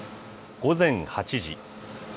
午前８時。